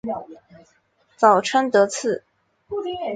早川德次